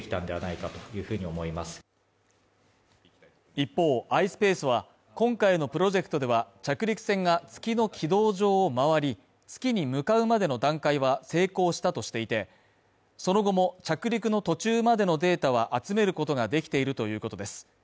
一方、ｉｓｐａｃｅは、今回のプロジェクトでは、着陸船が月の軌道上を回り、月に向かうまでの段階は成功したとしていて、その後も着陸の途中までのデータは集めることができているということです。